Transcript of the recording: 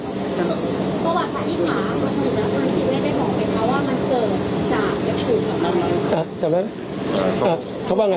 ตัวบัตรขาดที่หมามันเกิดจากและคือจากอะไรครับ